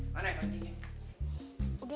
mana yang pentingnya